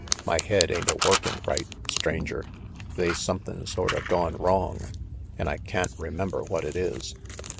My head ain't a workin' right, Stranger. They's somethin' sorta gone wrong, an' I can't remember what it is."